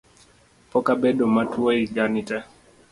Pok abedo matuo yiga ni tee